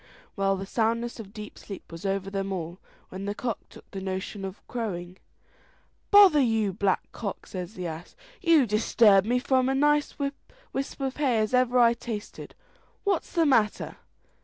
Well, the soundness of deep sleep was over them all, when the cock took a notion of crowing. "Bother you, Black Cock!" says the ass: "you disturbed me from as nice a wisp of hay as ever I tasted. What's the matter?"